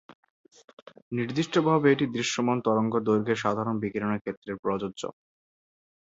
নির্দিষ্টভাবে, এটি দৃশ্যমান তরঙ্গ দৈর্ঘ্যে সাধারণ বিকিরণের ক্ষেত্রে প্রযোজ্য।